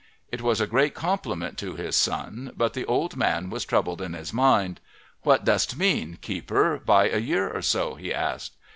It was a great compliment to his son, but the old men was troubled in his mind. "What dost mean, keeper, by a year or so?" he asked.